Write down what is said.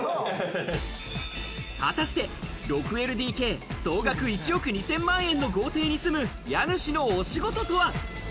果たして、６ＬＤＫ総額１億２千万円の豪邸に住む、家主のお仕事とは？